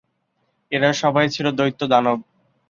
এরা সবাই ছিল দৈত্য-দানব।